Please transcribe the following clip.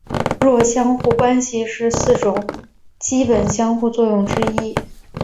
弱相互作用是四种基本相互作用之一。